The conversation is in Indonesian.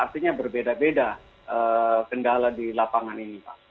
artinya berbeda beda kendala di lapangan ini pak